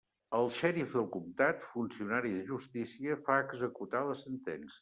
El xèrif del comtat, funcionari de justícia, fa executar la sentència.